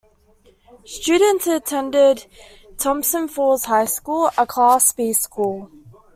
Students attend Thompson Falls High School, a Class B school.